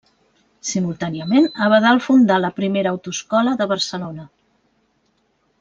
Simultàniament, Abadal fundà la primera autoescola de Barcelona.